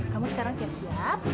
kamu sekarang siap siap